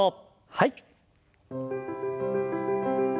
はい。